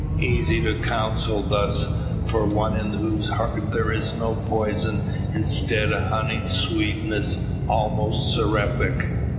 Easy to counsel thus, for one in whose heart there is no poison; instead a honeyed sweetness, almost seraphic.